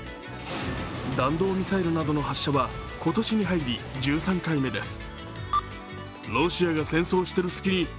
弾道ミサイルなどの発射は今年に入り１３回目です。